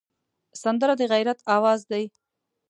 سندره د غیرت آواز دی